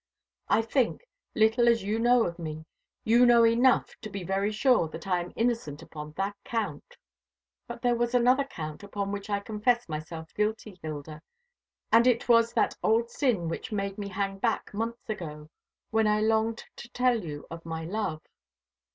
I think, little as you know of me, you know enough to be very sure that I am innocent upon that count. "But there was another count upon which I confess myself guilty, Hilda and it was that old sin which made me hang back months ago when I longed to tell you of my love.